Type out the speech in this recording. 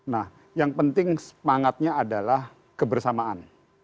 nah yang penting semangatnya adalah kebersamaan